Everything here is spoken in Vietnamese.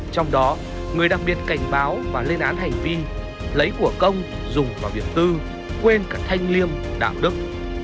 trong đó người đặc biệt cảnh báo và lên án hành vi lấy của công dùng vào việc tư quên cả thanh liêm đạo đức